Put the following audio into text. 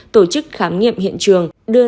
tổ chức khám nghiệm hiện trường đưa